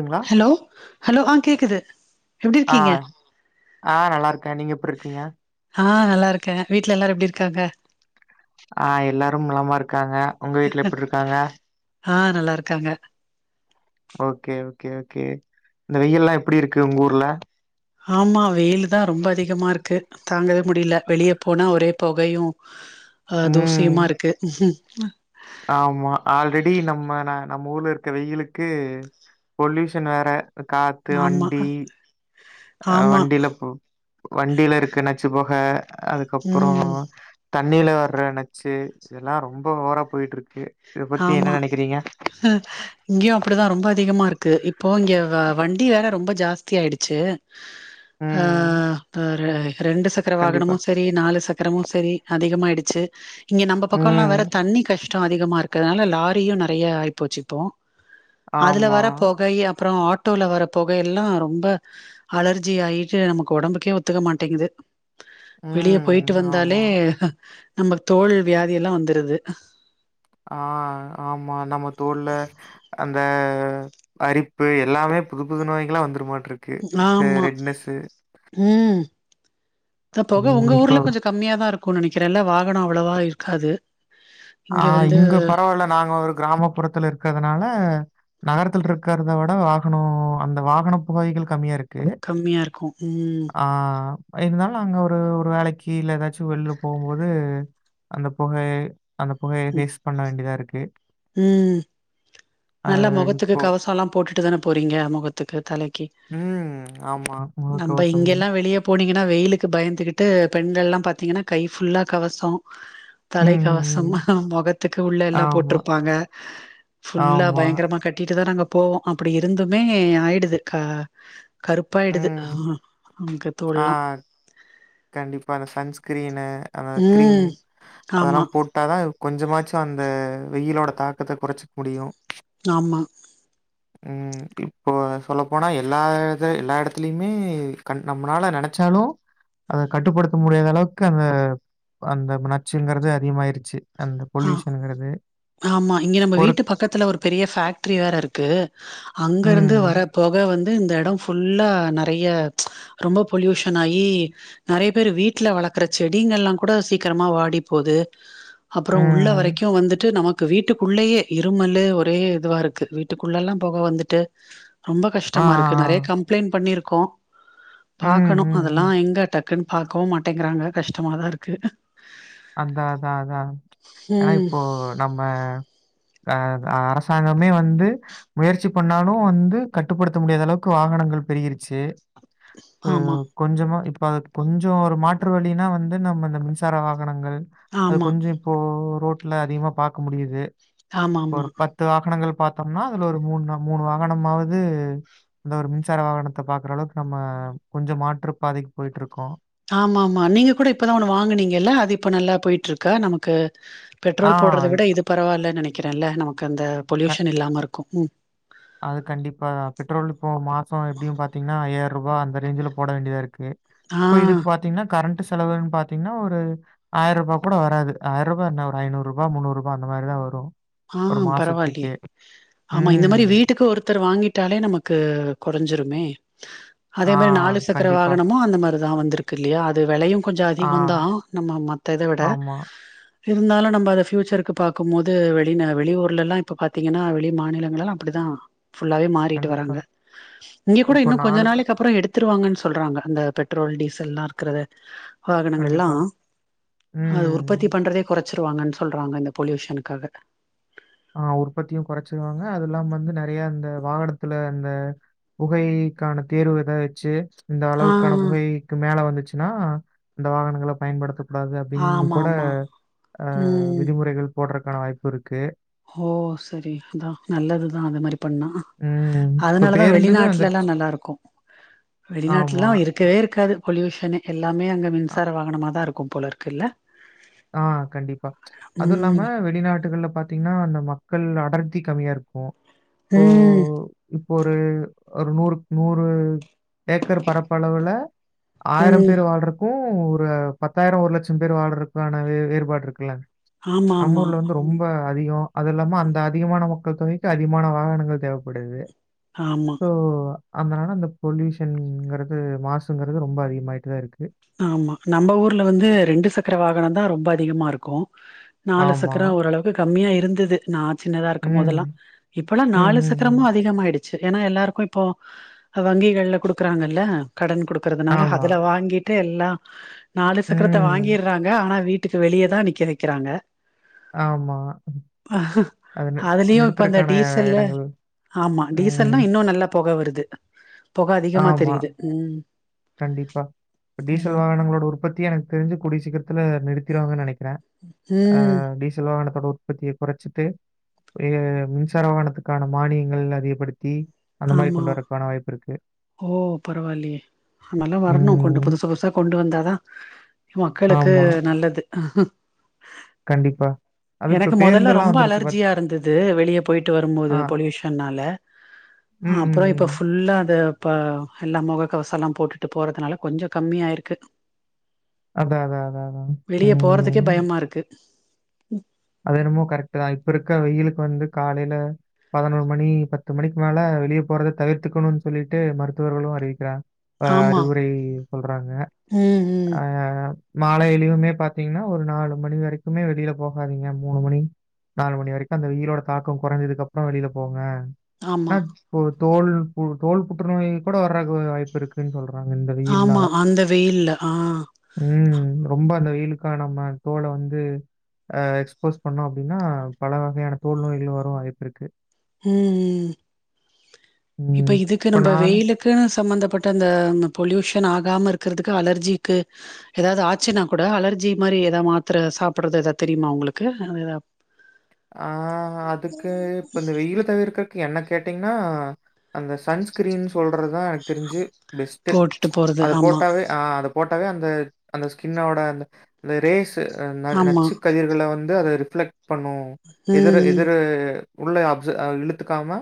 ங்களா hello hello ஆ கேக்குது எப்பிடி ஆ இருக்கீங்க. ஆ நல்லா இருக்கேன் நீங்க எப்டி இருக்கீங்க ஆ நல்லா இருக்கேன் வீட்ல எல்லாரும் எப்பிடி இருக்காங்க. ஆ எல்லாரும் நலமா இருக்காங்க உங்க வீட்ல எப்பிடி இருக்காங்க. ஆ நல்லா இருக்காங்க. ஓகே ஓகே ஓகே இந்த வெயில்லாம் எப்பிடி இருக்கு உங்க ஊர்ல. ஆமா வெயிலுதா ரொம்ப அதிகமா இருக்கு தாங்கவே முடியல வெளிய போனா ஒரே பொகையு. அ ம் தூசியுமா இருக்கு. ஆமா ஆல்ரெடி நம்ம ந நம்ம ஊர்ல இருக்ற வெயிலுளுக்கு பொலியூஷன் வேற காத்து ஆமா வண்டி அ ஆமா வண்டியில போ வண்டியில இருக்கு நாச்சு பொ கை அதுக்கப்பறோ ம் தண்ணில வர்ற நச்சு இதெல்லா ரொம்ப ஓவரா போயிட்டுருக்கு. ஆமா இங்கையு அப்படிதா ரொம்ப அதிகமா இருக்கு இப் போ இங்க வ வண்டி வேற ரொம்ப ஜாஸ்தி ஆயிடுச்சு ஆ ம் ஒரு ரெண்டு சக்கர கண்டிப்பா வாகனமு சேரி நாலு சக்கரமு சேரி அதிகமாயிடுச்சு. இங்கே நம்ம பக்கம்லா ம் வேற தண்ணி கஷ்ட அதிகமா இருக்கறனால லாரியு நறைய ஆயிப்போச்சு இப்போ. அதுல ஆமா வர பொகை அப்பறோ ஆட் டோல வர புகைய எல்லா ரொம்ப அலர்ஜி ஆயிட்டு நமக்கு ஒடம்புக்கே ஒத்துக்க மாட்டேங்குது. வெளிய போயிட்டு ம். வந்தாலே ஆமா. நம்ம தோல் வியாதி எல்லா வந்துருது ஆ ஆமா நம்ம தோல்ல அந் த அரிப்பு எல்லாமே புது புது நோய்கள்லா வந்துருமாட் ஆமா, ம் அந்த பொக ம். உங்க இப்போ ஊர்ல கொஞ்ச கம்மியாதா இருக்குனு நெனைக்கிறே இல்ல வாகனம் அவ்வளோவா இருக்காது. ஆ இங்க பரவாயில்ல நாங்க ஒரு கிராமப்புறத்துல இருக்கதனால நகரத்துல இருக்கிறத விட வாகனம் அந்த வாகன புகைகள் கம்மியா இருக் கு கம்மியா இருக்கு ம் ஆ இருந்தாலு அங்க ஒரு ஒரு வேலைக்கு இல்ல ஏதாச்சு வெளிலபோம்போது அந்த புகை அந்த புகையை தேஸ் பண்ண வேண்டியதா இருக்கு. ம் அ நல்லா முகத்துக்கு இப்போ கவசம் எல்லா போட்டுட்டுதான போறீங்க முகத்துக்கு தலைக் கி ம். ஆமா. நம்ப முகக்கவசம். இங்க எல்லா வெளியே போனீங் கன்னா வெயிலுக்கு பயந்துகிட்டு பெண்கள் எல்லா பாத்தீங்கன்னா கை ஃபுல்லா கவசம் ம், ம், ம். தலைக்கவசம் முகத்துக்கு உள்ள எல்லா ஆமா, போட்டுருப்பாங்க. ஃபுல்லா ஆமா. பயங்கரமா கட்டிட்டுதா நாங்க போவோ அப்டி இருந்துமே ஆயிடுது க கருப்பாயிடுது ம். அங்க ஆ தோல்லா கண்டிப்பா அந்த சன்ஸ்கிரீனு அந்த கிரீம் ம் அதெல்லா ஆமா போட்டாதா கொஞ்சமாச்சு அந்த வெயிலோட தாக்கத்த கொறச்சிக்க முடியு ஆமா ம், இப்போ சொல்லப்போனா எல்லா எல்லா எடத்துலயுமே கண் நம்மனால நெனச்சாலு அத கட்டுப்படுத்த முடியாதளவுக்கு அந்த அந்த நச்சுங்கறது அதிகமாயிருச்சு அந்த ஆ பொல்யூஷன்ங்கறது ஆமா இங்க நம்ம வீட்டு பக்கத்துல ஒரு பெரிய ஃபேக்ட்ரி வேற இருக்கு அங்க இருந்து வர ம், பொக வந் வந்து இந்த எடம் ஃபுல்லா நெறைய ரொம்ப பொல்யூஷன் ஆயி நெறைய பேர் வீட்ல வளக்குற செடிங்கல்லா கூட சீக்கிரமா வாடி போகுது அப்பறோ உள்ள ம். வரைக்கு வந்து ட்டு நமக்கு வீட்டுக்குள்ளேயே இருமல்லு ஒரே இதுவா இருக்கு வீட்டுக்குள்ளல்லா பொக வந்துட்டு ரொம்ப ஆ, கஷ்டமா ஆ, இருக்கு ஆ. நெறைய கம்ப்ளைண்ட் பண்ணிருக்கோ ம், பாக்கணு ம், ம். அதெல்லா எங்க டக் குன்னு பாக்கவு மாட்டேங்கறாங்க கஷ்டமாதா இருக்கு அந்த அதா அதா ஏன்னா ம். இப்போ நம்ம அ அரசாங்கமே வந்து முயற்சி பண்ணாலு வந்து கட்டுப்படுத்த முடியாதளவுக்கு வாக னங்கள் பெருகிருச்சு ஆமா, ம் கொஞ்சமா இப்ப அதுக்கு கொஞ்சொ ஒரு மாற்று வழினா வந்து நம்ம இந்த மின்சார வா கனங்கள் அது ஆமா, கொஞ்சொ இப்போ ரோட்ல அதிகமா பாக்க முடியுது ஆமாமா, ஒரு பத்து வாகனங்கள் பாத்தம்னா அதுல ஒரு மூணு நம் மூணு வாகனமாவது அந்த ஒரு மின்சார வாகனத்த பாக்கற அளவுக்கு நம்ம கொஞ்சொ மாற்று பாதைக்கு போய்ட்டு இருக்கோ ஆமா ஆமா நீங்க கூட இப்பதா ஒன்னு வாங்குனீங்கல்ல அது இப்ப நல்லா போய்ட்டு இருக்கா நமக்கு ஆ பெட்ரோல் போடறத விட இது பரவாலனு நெனைக்கிறே இல்ல நமக்கு அந்த க பொல்யூஷன் இல்லாம இருக்கு ம் அது கண்டிப்பா பெட்ரோல் இப்போ மாசோ எப்டியு பாத்தீங்கனா ஐயா யிருபா அந்த ரேஞ்சுல போட வேண்டியதா இருக்கு ஆ, இப்ப இதுக்கு பாத்தீங்கன்னா கரண்ட் செலவுனு பாத்தீங்னா ஒரு ஆயரூபா கூட வராது ஆயரூபா என்ன ஒரு ஐநூரூபா முன்னூரூபா அந்த மாரிதா வரு ஆ பரவால்லயே ஆமா இந்த ம். மாரி வீ வீட்டுக்கு ஒருத்தர் வாங்கிட்டாலே நமக்கு கொறஞ்சிருமே அதே ஆ மாரி நாலு சக்கர கண்டிப்பா. வாகனமும் அந்த மாரிதா வந்திருக்கு இல்லையா அது வெலயு கொஞ்சொ ஆ அதிகோந்தா நம்ம மத்த இத விட ஆமா. இருந்தாலு நம்ம அத ஃப்யூச்சருக்கு பாக்கும்போது வெ பின்ன வெளியூர்ல எல்லா இப்ப பாத்தீங்கன்னா வெளி மாநிலங்கள் எல்லா அப்டிதா ஃபுல்லாவே மாறிட்டு கண்டிப்பா. வராங்க இங்க கூட இப்போ இன்னு கொஞ்ச ச நாளைக்கு அப்றோ எடுத்துருவாங்கன் சொல்றாங்க அந்த பெட்ரோல் டீசல் எல்லா இருக்கிறது வாகனங்க எல்லா கண்டிப்பா. அது உற்பத்தி ம். பண்றதே கொற ச்சிருவாங்கன்னு சொல்றாங்க இந்த பொல்யூஷனுக்காக ஆ உற்பத்தியு கொறச்சிருவாங்க அதில்லாம வந்து நெறயா அந்த வாகனத்துல அந்த புகைக்கான தேர்வு எதா வெச்சு இந்த ஆ அளவுக்கான புகைக்கு மேல வந்து சுனா இந்த வாகனங்கள பயன்படுத்த கூடாது அப்டின்னு ஆமா கூட ஆமா அ ம் விதிமுறைகள் போடறக்கான வாய்ப்பு இருக்கு ஓ செரி அதா நல்லதுதா அந்த மாரி பண்ணா ம். இப்ப அதனாலதா பேருந்துமே வெளிநாட்டுல எல்லா வந்துருச்சு. நல்லா இருக்கு வெளிநாட்ல ஆமா. எல்லா இருக்கவே இருக்காது பொல்யூஷனே எல்லாமே அங்க அ மின்சார வங்கனமாகதா இருக்கும் போலருக்கு இல்ல ஆ கண்டிப்பா அதுவு ம் இல்லாம வெளிநாட்டுகள்ல பா த்தீங்கன்னா அந்த மக்கள் அடர்த்தி கம்மியா இருக்கு ம் ஒரு நூறு நூறு ஏக்கர் பரப்பளவுல ஆயிரம் ம் பேர் வாழ்றக்கு ஒரு பத்தாயிரோ ஒரு லட்சம் பேர் வாழ்றக்கான வே வேறுபாடு இருக்கல்ல ஆமா நம் ஆமா ஊர்ல வந்து ம் ரொம்ப அதிகோ அது இல்லாம அந்த அதிகமான மக்கள் தொகைக்கு அதிகமான வாகனங்கள் தேவப்படுது ஆமா அந்தனால அந்த பொல்யூஷன்ங்கிறது மாசுங்கிறது ரொம்ப அதிகமாயிட்டுதா இருக்கு ஆமா நம்ம ஊர்ல வந்து ரெண்டு சக்கர வாகனந்தா ரொம்ப அதிகமா இருக்கு நாலு ஆமா. சக்கரோ ஓரளவுக்கு கம்மியா இருந்தது நா சின்னதா ம். இருக்கும்போதெல்லா இப்பல்லா ம், நாலு ம், ம். சக்கரமு அதிகமாயிடு ச்சு ஏனா எல்லாருக்கு இப்போ வங்கிகள்ல குடுக்கறாங்கல்ல கடன் குடு க்கறதுனால ஆமா. அதுல வாங்கிட்டு எல்லா நாலு சக்கரத்த ம். வாங்கிர்றாங்க ஆனா வீ ட்டுக்கு வெளியதா நிக்க வெக்கிறாங்க ஆமா. அ அது நி அதுலயு இப்ப அந்த நிறுத்துறக்கான டீசலு இடங்கள். ஆமா டீசல்னா ம். இன்னு நல்ல பொக வருது பொக அதிகமா ஆமா. தெரிது ம் கண்டிப்பா டீசல் ஆமா வாகனங்களோட உற்பத்தியே எனக்கு தெரிஞ்சு கூடிய சீக்கிரத்துல நிறு த்திருவாங்கனு நெனைக்கிறே ஆ ம் டீசல் வாகனத்தோட உற்பத்திய கொறச்சிட்டு மின்சார வாகத்துக்கான மானியங்கள் அதிகப்படுத்தி அந்த மாரி ஆமா கொண்டு வரக்கான வாய்ப்பு இருக்கு. ஓ பரவாயில்லயே நல்லா வரணு கொண்டு ம். புதுசு புதுசா கொண்டு வந்தாதா மக்களுக்கு ஆமா. நல்லது அ ஹு கண்டிப்பா அது இப்ப எனக்கு மொதல்ல பேருந்தெல்லாம் ரொம்ப வந்துருச்சு பாத் அலர்ஜியா இருந்தது வெளியே போயிட்டு வரும்போது ஆ. பொல்யூஷன்நால ம், அப்புற ம், ம். இப்ப ஃபுல்லா அது இப்ப எல்லா முக கவச எல்லா போட்டுட்டு போறதுனால கொஞ்ச கம்மியாயிருக்கு அதான், அதான், அதான், அதான். வெளிய போறதுக்கே ம். பயமாருக்கு அது என்னமோ கரெக்ட் தா இப்ப இருக்க வெயிலுக்கு வந்து காலைல பதினொரு மணி பத்து மணிக்கு மேல வெளிய போறத தவிர்த்துக்கணும்னு சொல்லிட்டு மருத்துவர்களு அறிவிக்கிறா அ ஆமா அறிவுரை சொல்றாங்க ம் ம் அ மாலையிழுமே பாத்தீங்ன்னா ஒரு நாலு மணி வரைக்குமே வெளியில போக போகாதீங்க மூணு மணி நாலு மணி வரைக்கு அந்த வெயிலோட தாக்கோ கொறைஞ்சதுக்கு அப்புற வெளியில போங்க ஆனா ஆமா ஒரு தோல் ஒரு தோல் புற்றுநோய் கூட வறக்கு வாய்ப்புருக்குன் சொல்ற அ இந்த ஆமா வெயில்நால அந்த வெயில்ல ஆ ம் ரொம்ப அந்த வெயி வெயிலுக்கான நம்ம தோல வந்து அ எக்ஸ்போஸ் பண்ணோ அப்டின்னா பல வகையான தோல்நோய்கள் வரு வாய்ப்பிருக்கு ம் ம் ம். இப்ப இதுக்கு நம்ம நானு வெயிலுக்குன்னு சம்மந்தப்பட்ட அந்த பொல்யூஷன் ஆகாம இருக் க்கிறதுக்கு அலர்ஜிக்கு எதாவது ஆச்சுன்னா கூட அலர்ஜி மாரி எத மாத்திர சாப்பிட்றது ஏத தெரியுமா உங்களுக்கு அ எதா அ அதுக்கு இப்ப இந்த வெயில் தவிர துக்கு என்ன கேட்டீங்ன்னா அந்த சன்ஸ்கிரீன் சொல்றது தா எனக்கு தெரிஞ்சு பெஸ்ட்டு போட்டுட்டு போறது அது ஆமா போட்டாவே அத போட்டாவே அந்த அந்த ஸ்கின்னோட அந்த ரேஸ்ஸு ஆமா நச்சு கதிர்கள வந்து அது ரிஃப்ளெக்ட் பண்ணு எதிர் ம் எதிர் உள்ள அப்ஜ அ இழுத்துக்காம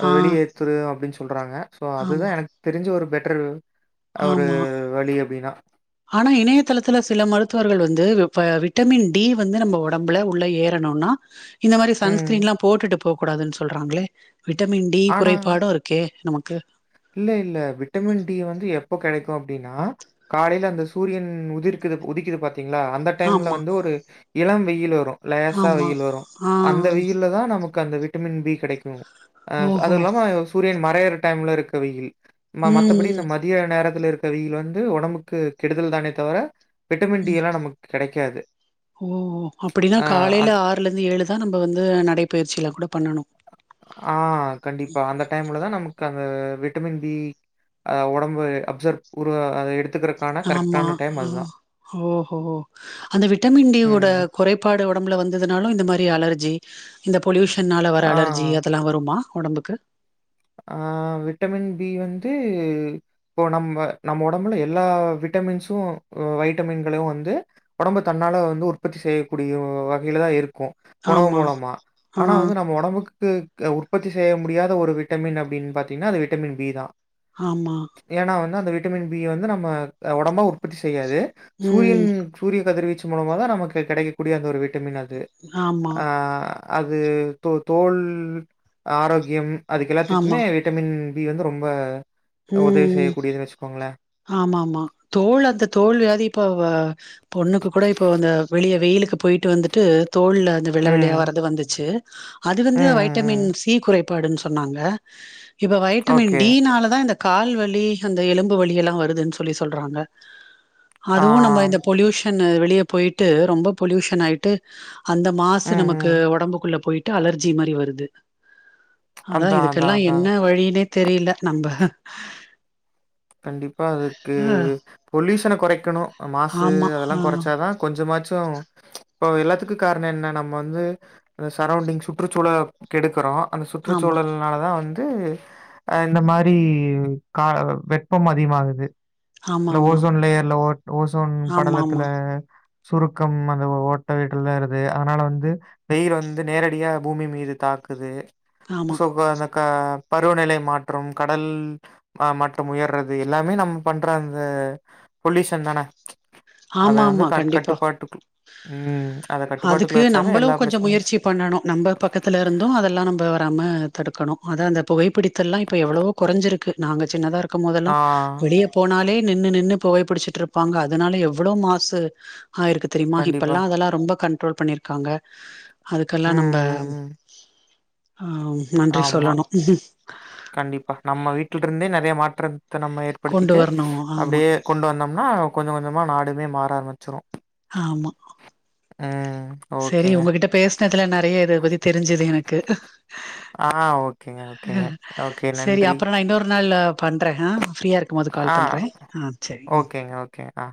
அத ஆ வெளியேத்துது அப்படின் சொ சொல்றாங்க சோ அதுதா ஆமா எனக்கு தெரிஞ்சு ஒரு பெட்டர் ஒரு ஆமா வழி அப்டினா ஆனா இணையதளத்துல சில மருத்துவர்கள் வந்து விட்டமின் டி வந்து நம்ம ஒடம்புல உள்ள ஏறணு னுனா இந்த மாரி ம். சன்ஸ்கிரீன்லா போட்டுட்டு போக கூடாதுன்ன சொல்றாங்ளே விட்டமின் டி ஆனா குறைபாடு இருக்கே நமக் இல்ல இல்ல விட்டமின் டி வந்து எப்போ கெடைக்கு அப்டினா காலைல அந்த சூரியன் உதிர்க் குது உதிக்கிது பாத்தீங்ளா அந்த டைம்ல ஆமா வந்து ஒரு இளம் வெயில் வரு லேசா ஆமா வெயில் வரு ஆ அந்த வெயில்ல தா நமக்கு அந்த விட்டமின் பி கெடைக்கு அ ஓஹோ அதுல்லாம சூரியன் மறையுற டைம்ல இருக்க வெயில் ம மத்தபடி ம் இந்த மதிய நேரத்துல இருக்க வெயில் வந்து ஒடம்புக்கு கெடுதல் தானே தவர விட்டமின் டி எல்லா நமக்கு கெடைக்காது ஓ ஓ அப்டின்னா அ காலைல அந் ஆறுலருந்து ஏழுதா நம்ப வந்து நடைபயிற்சில்லா கூட பண்ணணு அ கண்டிப்பா அந்த டைம்லதா நமக்கு அந்த ந்த விட்டமின் டி அ ஒடம்பு அப்ஜர் உருவ அத எடுத் ஆமா ஹ ஓஹோ அந்த விட்டமின் டி யோட ம். கொறைபாடோ ஒடம்புல வந்துதுனாலு இந்த மாரி அலர்ஜி இந்த பொல்யூஷன்னால வர ஆ, அலர்ஜி அதெல்லா வருமா ஒடம்புக்கு அ விட்டமின் டி வந்து இப்போ நம்ம நம்ம ஒடம்புல எல்லா விட் விட்டமின்சு ஒ வைட்டமின்களு வந்து ஒடம்பு தன்னால வந்து உற்பத்தி செய்யக்கூடிய வகைல தா இருக் க்கு உணவு ஆமா மூலமா ஆ ஆனா வந்து நம்ம ஒடம்புக்கு உற்பத்தி செய்ய முடியாத ஒரு விட் ட்டமின் அப்டின் பாத்தீங்ன்னா அது விட்டமின் பி தா ஆமா ஏன்னா வந்து அந்த விட்டமின் பி ய வந்து நம் ம்ம ஒடம்பா உற்பத்தி செய்யாது சூரியன் ம் சூரிய கதிர்வீச்சு மூலமா தா நமக்கு கெடைக்ககூடிய அந்த ஒரு விட்டமின் அது ஆமா அ அது தோ தோல் ஆரோக்கியம் அதுக்கு ஆமா எல்லாத்துக்குமே விட்டமின் பி வந்து ரொம்ப ம் உதவி ம் செய்யக்கூடியதுன்னு வச்சுக்கோங்களேன். ஆமா ஆமா தோல் அந்த தோல் வியாதி இப்ப வ பொண்ணுக்கு கூட இப்போ அந்த வெளிய வெயிலுக்கு போயிட்டு வந்துட்டு தோல்ல அது வெள்ள வெள்ளயா ம். வரது வந்துச்சு அது ம், வந்து ம், வைட்டமின் ம். சி குறைபாடுன் சொன்னாங்க இப்ப வைட்டமின் ஓகே. டி னால தா இந்த கால்வலி அந்த எலும்பு வலியெல்லா வருதுன் சொல்லி சொல்றாங்க ஆ. அதுவு நம்ம இந்த பொல்யூஷன்னு வெளிய போய்ட்டு ரொம்ப பொல்யூஷன் ஆய்ட்டு அந்த ம், மாசு ம். நமக்கு ஒடம்புக்குள்ள போய்ட்டு அலர்ஜி மாரி வருது அதா அதான், இதுக்கெல்லா அதான், என்ன அதான். வழினே தெரில நம்ப கண்டிப்பா அதுக்கு பொல்யூஷன கொறைக்கணு மாசு ஆமா அதெல்லா ஆ கொறச்சாதான் கொஞ்சமாச் டோ இப்போ எல்லாத்துக்கு கார்ணென்ன நம்ம வந்து அ சரௌண்டிங் சுற்றுச்சூழ கெடுக்குறோ அந்த ஆமா சுற்றுச்சூழல்னாலதா வந்து அ இந்த மாரி கா வெப் பம் அதிமாகுது ஆமா இந்த ஆமா ஓசோன் லேயர்ல ஓட் ஓசோன் ஆமா படலத்துல சுருக்கம் அந்த ஓட்ட விடுவருது அதுனால வந்து வெயில் வந்து நேரடியா பூமி மீது தாக் க்குது ஆமா ஆமா சோ ப அந்த கா பருவநிலை மாற்றம் கடல் ஆ மட்டம் உயர்ரது இது எல்லாமே நம்ம பண்ற அந்த பொல்யூஷன் தான அத ஆமா வந்து ஆமா கட் கண்டிப்பா கட்டுப்பாட்டுக்கு ம் அத அதுக்கு கட்டுப்பாட்டுக்குள்ள வச்சாவே நம்பளு எல்லா கொஞ்சோ பிரச்சனையும் சு- முயற்சி பண்ணணு நம்ப பக்கத்துல இருந்து அதெல்லா நம்ப தாம தடுக்கணு அதா அந்த புகைப்பிடித்தல்லா இப்ப எவுளவோ கொறஞ்சிருக்கு நாங்க சின்னதா இரு க்குமோதெல்லா ஆ வெளிய போனாலே நின்னு நின்னு புகைபிடிச்சுட்ருப்பாங்க அதனால எவ்வுளோ மாசு ஆய்ருக்கு தெரிமா கண்டிப்பா. இப்பல்லா அதெல்லா ரொம்ப கண்ட்ரோல் பண்ணிர்க்காங்க அதுக்கல்லா ம், நம்ப ம், ம். ஆ நன்றி ஆமா சொல்லணும். கண்டிப்பா நம்ம வீட்டுல் இருந்தே நெறைய மா ற்றுத்த நம்ம கொண்டு ஏற்படுத்திட்டு வரணும். ஆமா, அப்டியே கொண்டு வந்தோம்னா கொஞ்சொ கொஞ்சமா நாடுமே மாற ஆர்மிச்சுரு ஆமா சரி ஓகேங்க. உங்ககிட்ட பேஸ்னதுல நறைய இத பத்தி தெரிஞ்சுது எனக்கு ஆ ஓகேங்க, ஓகேங்க. ஓகே சரி நன்றி. அப்புறு நான் இன்னொரு நாள்ல பண்ற ஆ ஃப்ரீயா இருக்குமோது கால் ஆ பண்றே ஆ சரி ஓகேங்க, ஓகேங்க. ஆ.